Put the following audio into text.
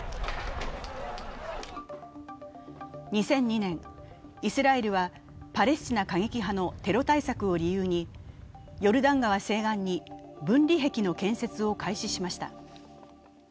２００２年、イスラエルはパレスチナ過激派のテロ対策を理由にヨルダン川西岸に分離壁の建設を開始しました。